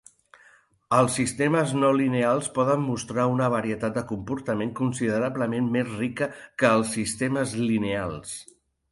Els sistemes no lineals poden mostrar una varietat de comportament considerablement més rica que els sistemes lineals.